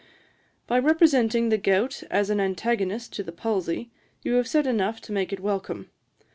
'By representing the gout as an antagonist to the palsy, you have said enough to make it welcome.